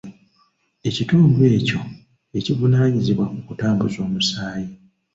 Ekitundu ekyo kye kivunaanyizibwa ku kutambuza omusaayi